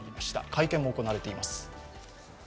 会見も行われています。